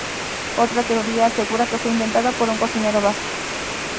Otra teoría asegura que fue inventada por un cocinero vasco.